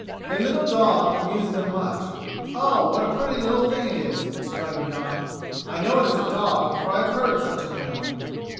A little dog amused them much. 'Oh! what a pretty little thing it is!' exclaimed Young, 'I know it is a dog, for I have heard of such an animal.'